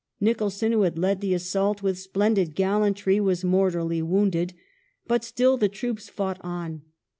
Nicholson, who had led the assault with splendid gallantry, was mortally wounded, but still the troops fought on.